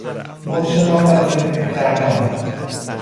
با شرافت زندگی کردن